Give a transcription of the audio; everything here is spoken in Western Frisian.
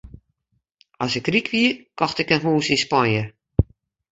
As ik ryk wie, kocht ik in hûs yn Spanje.